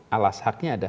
alas haknya ada